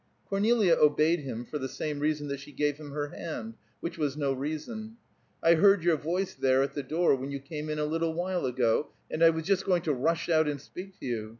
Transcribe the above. Cornelia obeyed him for the same reason that she gave him her hand, which was no reason. "I heard your voice there at the door, when you came in a little while ago, and I was just going to rush out and speak to you.